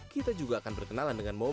kita juga akan berkenalan dengan momen